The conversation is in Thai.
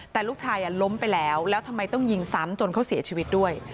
แต่ลูกชายล้มไปแล้วแล้วทำไมต้องยิงซ้ำจนเขาเสียชีวิตด้วย